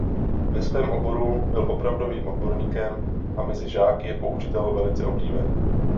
Ve svém oboru byl opravdovým odborníkem a mezi žáky jako učitel velice oblíben.